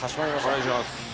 お願いします。